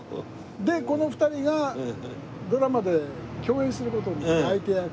でこの２人がドラマで共演する事になった相手役で。